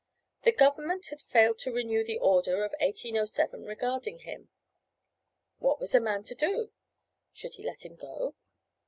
The government had failed to renew the order of 1807 regarding him. What was a man to do? Should he let him go?